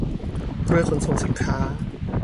เรือขนส่งสินค้า